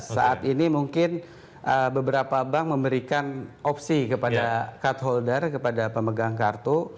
saat ini mungkin beberapa bank memberikan opsi kepada cut holder kepada pemegang kartu